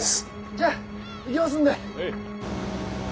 じゃあ行きますんで。